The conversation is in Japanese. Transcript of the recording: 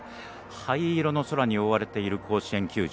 灰色の空に覆われている甲子園球場。